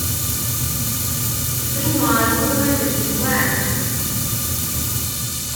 Il primo album degli Wham!